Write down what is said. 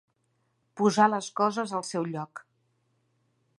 Posar les coses al seu lloc.